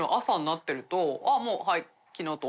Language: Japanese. もうはい。